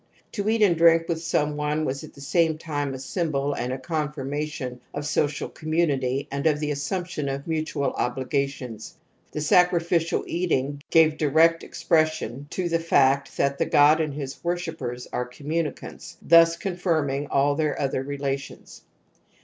To eat and drink with some one was at the same time a symbol and a confirmation of social community and of the assumption of mutual obligations ; the sacrificial eating gave direct expression to the fact that the god and his worshippers are communicants, thus confirming all their other relations.